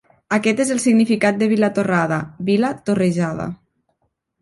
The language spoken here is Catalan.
Aquest és el significat de Vilatorrada: vila torrejada.